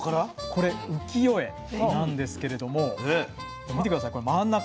これ浮世絵なんですけれども見て下さいこの真ん中。